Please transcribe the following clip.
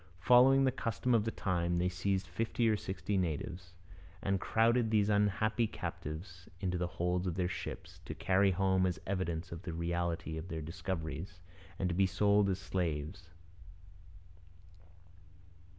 Following the custom of the time, they seized fifty or sixty natives, and crowded these unhappy captives into the holds of their ships, to carry home as evidence of the reality of their discoveries, and to be sold as slaves.